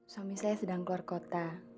suami saya sedang keluar kota